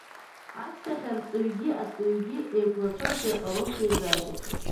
Ашьҭахь арҵаҩгьы аҵаҩгьы еиқәлацәоушәа, еиҟароушәа еизааигәахеит.